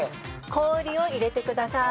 氷を入れてください。